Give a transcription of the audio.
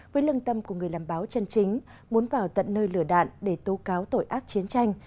với lương tâm của người làm báo chân chính muốn vào tận nơi lửa đạn để tố cáo tội ác chiến tranh